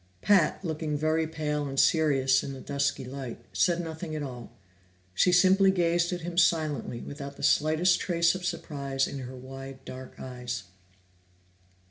Pat, looking very pale and serious in the dusky light, said nothing at all. She simply gazed at him silently, without the slightest trace of surprise in her wide dark eyes.